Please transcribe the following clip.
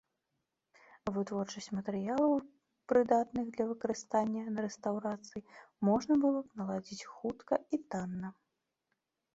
Вытворчасць матэрыялаў, прыдатных для выкарыстання на рэстаўрацыі, можна было б наладзіць хутка і танна.